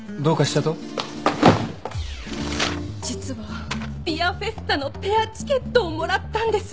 実はビアフェスタのペアチケットをもらったんです